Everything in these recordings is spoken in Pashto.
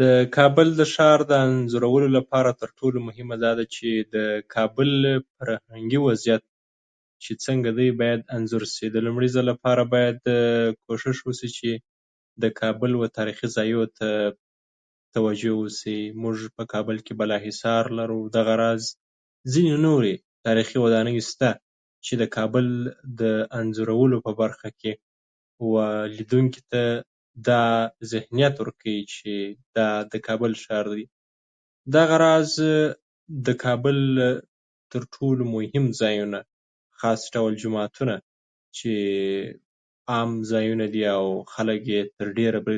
د کابل ښار د ښودلو لپاره تر ټولو اړین کار دا دی چي د کابل د ښاریانو فرهنګي څرنګوالی په کره توګه انځور شي. د لومړي ځل لپاره بايد د کابل تاريخي ځايونو ته پاملرنه وشي. په کابل کي بالاحصار او داسي نور ښکلي او تاریخي ودانۍ شتون لري. نوموړې ودانۍ کولی شي چې چې لیدونکو ته د کابل تاریخي پړاوونه په ګوته کړي. همدا راز، په کابل ښار کي ښکلي جوماتونه شتون لري. دغه جوماتونه کولی شي چي لیدونکو ته د کابل دیني او مذهبي څهره روښانه کړي.د بیلګې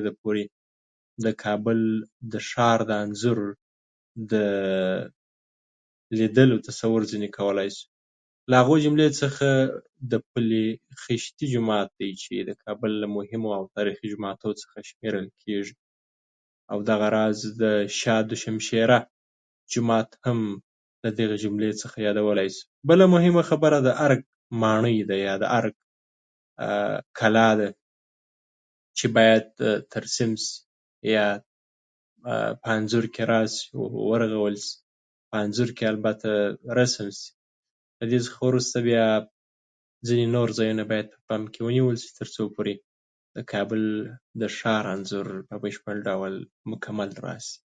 په توګه، د پل خشتي جومات، د عیدګاه جومات، د حاجي عبدالرحمن جومات، او د وزیر اکبرخان جوماتونو ته اشاره کولی شو سو. یاد جوماتونه د کابل له تاریخي ودانیو څخه شمیرل کېږي. د شاد او شمشيره زیارت هم اوس په یوه تاریخي ځای بدل شوی دی او د کابل په زړه کې د کابل د سیند پر غاړه ولاړ دی. د ارګ ودانې هم د کابل له تاریخي ماڼیو څخه شمیرل کېږي. د غازي امان‌الله خان قصر، د کابل د غرونو دیوالونه ، او په خپله د کابل سیند، منډویی بازار، او د شهزاده د پیسو بدلولو سرای هم باید په دغه انځور ګډ شي.